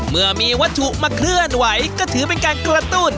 เมื่อมีวัตถุมาเคลื่อนไหวก็ถือเป็นการกระตุ้น